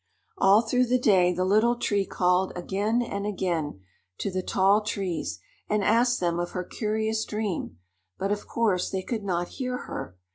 All through the day, the Little Tree called again and again to the tall trees and asked them of her curious dream; but, of course, they could not hear her.